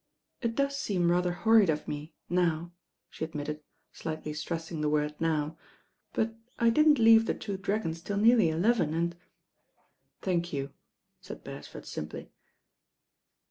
"It does seem rather horrid of me — now," she admitted, slightly stressing the word "now," "but I didn't leave 'The Two Dragons' till nearly eleven and "Thank you," said Beresford simply.